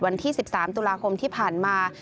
วันที่๑๓ตุลาคมที่ผ่านมา